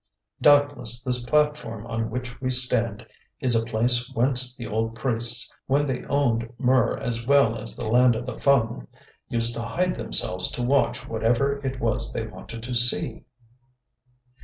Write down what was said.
Doubtless this platform on which we stand is a place whence the old priests, when they owned Mur as well as the land of the Fung, used to hide themselves to watch whatever it was they wanted to see.